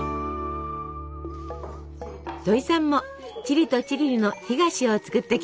どいさんもチリとチリリの干菓子を作ってきました。